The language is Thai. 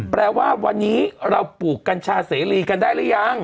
แปลว่าวันนี้เราปลูกกัญชาเสรีกันได้หรือยัง